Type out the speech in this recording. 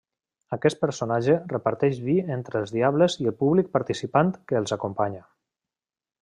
Aquest personatge reparteix vi entre els diables i el públic participant que els acompanya.